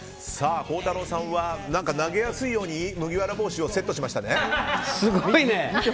孝太郎さんは投げやすいように麦わら帽子をセットしましたね。